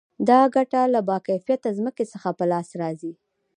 دا ګټه له با کیفیته ځمکې څخه په لاس راځي